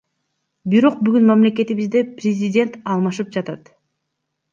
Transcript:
Бирок бүгүн мамлекетибизде президент алмашып жатат.